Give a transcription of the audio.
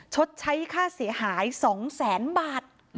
ชดใช้ค่าเสียหาย๒๐๐๐๐๐บาท